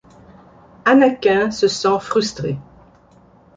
Anakin se sent frustré.